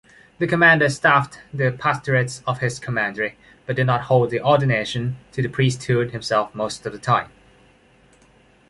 The commander staffed the pastorates of his commandery, but did not hold the ordination to the priesthood himself most of the time.